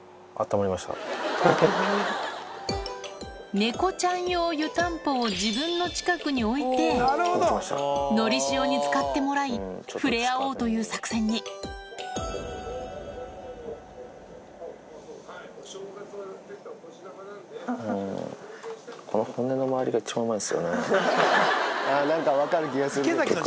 猫ちゃん用湯たんぽを自分の近くに置いてのりしおに使ってもらい触れ合おうという作戦にあぁ何か分かる気がする。